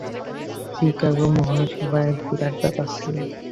চিকাগো মহাসভা এক বিরাট ব্যাপার ছিল।